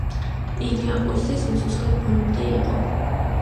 იგი ამ პოსტზე სიცოცხლის ბოლომდე იყო.